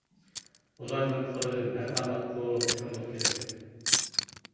ئۇلارنىڭ قولىدىن ھەر قانداق قۇۋلۇق-شۇملۇق كېلەتتى.